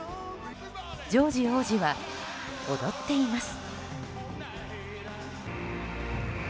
ジョージ王子は踊っています。